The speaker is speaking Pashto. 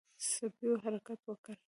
سپيو حرکت وکړ.